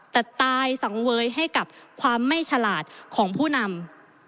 แต่ตายสังเวยให้กับความไม่ฉลาดของผู้นำ